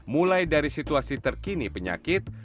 mulai dari situasi terkini penyakit